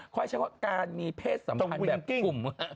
ค่อยใช้ว่าการมีเพศสัมพันธ์แบบกลุ่ม